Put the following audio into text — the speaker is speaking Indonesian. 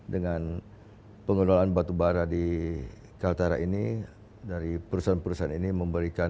dengan pengelolaan batu bara di kaltara ini dari perusahaan perusahaan ini memberikan